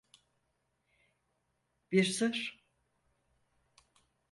Bir sır.